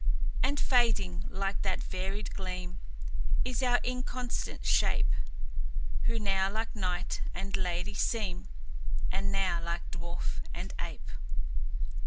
"And fading, like that varied gleam, Is our inconstant shape, Who now like knight and lady seem, And now like dwarf and ape."